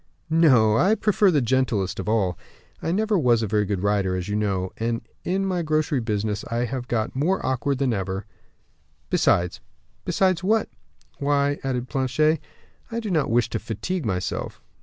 "No; I prefer the gentlest of all; I never was a very good rider, as you know, and in my grocery business I have got more awkward than ever; besides " "Besides what?" "Why," added Planchet, "I do not wish to fatigue myself."